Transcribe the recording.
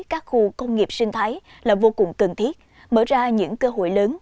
các khu công nghiệp sinh thái là vô cùng cần thiết mở ra những cơ hội lớn